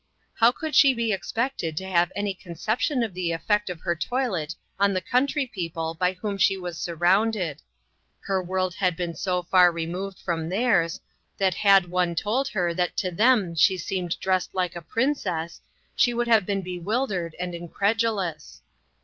How could she be expected to have any conception of the effect of her toilet on the country people by whom she was surrounded. Her world had been so far removed from theirs, that had one told her that to them she seemed dressed like a princess, she would have been bewildered and incredulous.